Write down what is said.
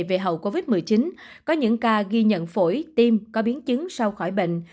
về hậu covid một mươi chín có những ca ghi nhận phổi tim có biến chứng sau khỏi bệnh